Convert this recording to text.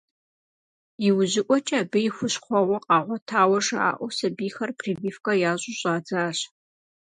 Иужьыӏуэкӏэ абы и хущхуэхъуэ къагъуэтауэ жаӏэу сабийхэр прививкэ ящӏу щӏадзащ.